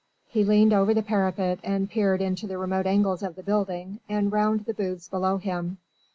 He leaned over the parapet and peered into the remote angles of the building and round the booths below him.